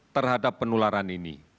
terhadap penularan ini